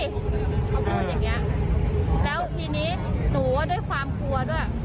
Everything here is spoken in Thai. เขาพูดอย่างเงี้ยแล้วทีนี้หนูว่าด้วยความกลัวด้วย